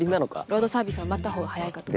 ロードサービスを待ったほうが早いかと。